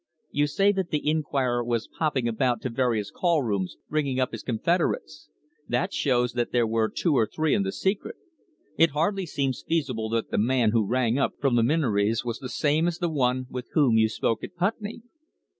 "You say that the inquirer was popping about to various call rooms ringing up his confederates. That shows that there were two or three in the secret. It hardly seems feasible that the man who rang up from the Minories was the same as the one with whom you spoke at Putney."